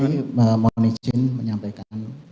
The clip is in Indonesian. jadi mau saya izin menyampaikan